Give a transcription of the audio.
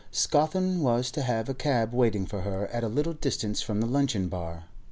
Scawthorne was to have a cab waiting for her at a little distance from the luncheon bar.